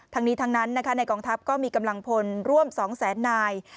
ทั้งนี้ทั้งนั้นในกองทัพก็มีกำลังพลร่วม๒แสนนาย